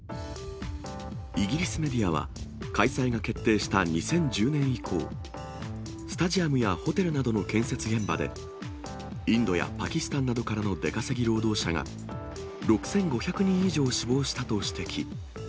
イギリスメディアは、開催が決定した２０１０年以降、スタジアムやホテルなどの建設現場で、インドやパキスタンなどからの出稼ぎ労働者が６５００人以上死亡したと指摘。